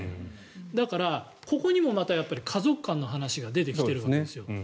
だから、ここにもまた家族観の話が出てきているわけです。